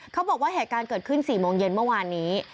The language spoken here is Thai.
เขาบอกว่าเหตุการณ์เกิดขึ้น๔โมงเย็นเมื่อวานนี้